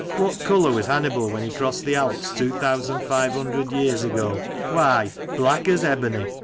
What colour was Hannibal when he crossed the Alps two thousand five hundred years ago? Why, black as ebony